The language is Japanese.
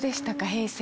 平成。